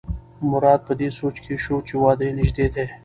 مراد په دې سوچ کې شو چې واده یې نژدې دی.